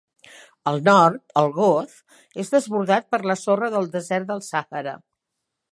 Al nord, el "goz" és desbordat per la sorra del desert del Sàhara.